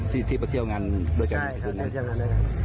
ที่ที่ไปเที่ยวงานด้วยกันใช่ครับเที่ยวงานด้วยกัน